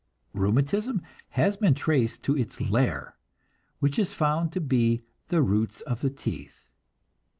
Rheumatism has been traced to its lair, which is found to be the roots of the teeth.